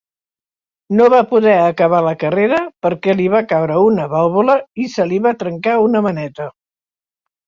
No va poder acabar la carrera perquè li va caure una vàlvula i se li va trencar una maneta.